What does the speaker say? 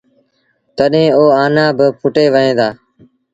تڏهيݩ او آنآ با ڦُٽي وهيݩ دآ۔